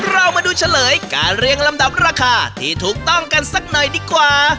เรามาดูเฉลยการเรียงลำดับราคาที่ถูกต้องกันสักหน่อยดีกว่า